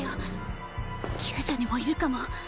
宮女にもいるかも。